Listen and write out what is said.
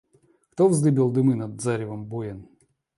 Кто вздыбил дымы над заревом боен?